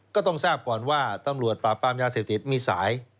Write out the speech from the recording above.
ก็ต้องทราบก่อนว่าตำรวจปราบปรามยาเสพติดมีสาย